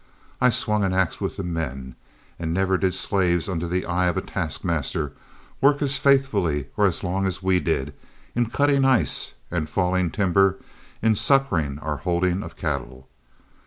I swung an axe with the men, and never did slaves under the eye of a task master work as faithfully or as long as we did in cutting ice and falling timber in succoring our holding of cattle.